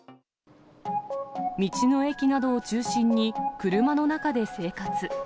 道の駅などを中心に車の中で生活。